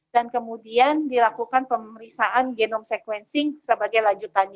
dan kemudian dilakukan pemeriksaan genom sequencing sebagai lanjutannya